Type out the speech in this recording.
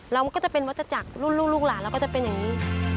เราก็จะเป็นวัตถจักรลูกหลานเราก็จะเป็นอย่างนี้